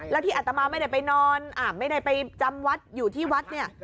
แล้วที่อัตมาไม่ได้ไปนอนไม่ได้ไปจำวัดอยู่ที่วัดเนี่ย